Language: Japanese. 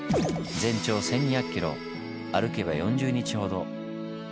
全長１２００ｋｍ歩けば４０日ほど。